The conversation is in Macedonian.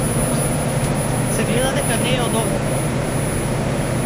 Се гледа дека не е од овде.